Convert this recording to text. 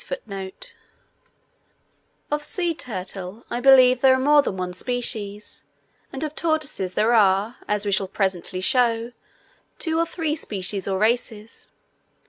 Of sea turtle I believe there are more than one species, and of tortoises there are, as we shall presently show, two or three species or races.